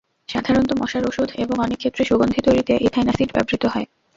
সাধারণত মশার ওষুধ এবং অনেক ক্ষেত্রে সুগন্ধি তৈরিতে ইথাইন অ্যাসিড ব্যবহৃত হয়।